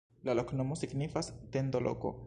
La loknomo signifas: tendo-loko.